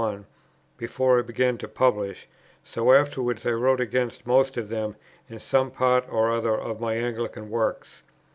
1, before I began to publish, so afterwards I wrote against most of them in some part or other of my Anglican works.